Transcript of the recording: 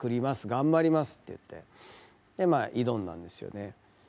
頑張ります」って言って挑んだんですよね。